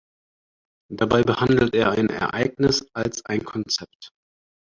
Dabei behandelt er ein Ereignis als ein Konzept.